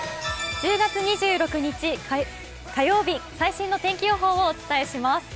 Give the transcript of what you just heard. １０月２６日火曜日、最新の天気予報をお伝えします。